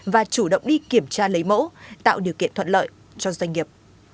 và chủ động đi kiểm tra lấy mẫu tạo điều kiện thuận lợi cho doanh nghiệp